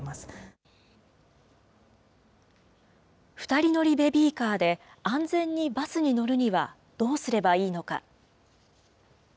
２人乗りベビーカーで、安全にバスに乗るにはどうすればいいのか。